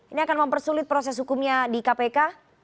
ini akan mempersulit proses hukumnya di kpk